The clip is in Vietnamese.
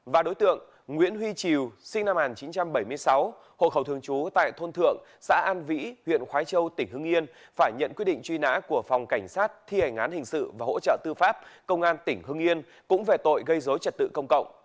và đối tượng nguyễn huy triều sinh năm một nghìn chín trăm bảy mươi sáu hộ khẩu thường trú tại thôn thượng xã an vĩ huyện khói châu tỉnh hưng yên phải nhận quyết định truy nã của phòng cảnh sát thi hành án hình sự và hỗ trợ tư pháp công an tỉnh hưng yên cũng về tội gây dối trật tự công cộng